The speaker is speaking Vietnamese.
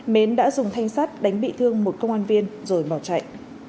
mến đã dùng thanh sắt đánh bị thương một công an viên rồi bỏ chạy